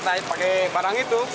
dia pakai barang itu